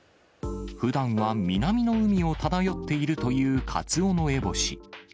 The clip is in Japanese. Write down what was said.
ふだんは南の海を漂っているというカツオノエボシ。